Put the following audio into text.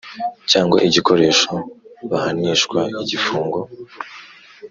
cyangwa igikoresho bahanishwa igifungo